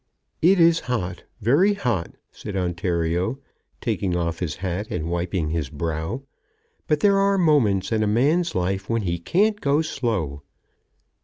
"It is hot, very hot," said Ontario, taking off his hat and wiping his brow, "but there are moments in a man's life when he can't go slow."